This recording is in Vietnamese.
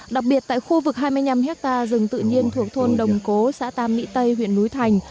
đặc biệt tại khu vực hai mươi năm hectare rừng tự nhiên thuộc thôn đồng cố xã tam mỹ tây huyện núi thành